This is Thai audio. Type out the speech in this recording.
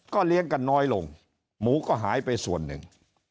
เลี้ยงกันน้อยลงหมูก็หายไปส่วนหนึ่ง